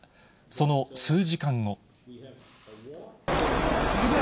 その数時間後。